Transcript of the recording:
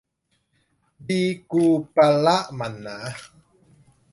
บิกูปะระหมั่นหนา